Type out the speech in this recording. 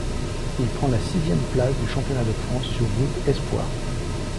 Il prend la sixième place du championnat de France sur route espoirs.